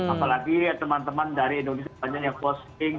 apalagi teman teman dari indonesia banyak yang posting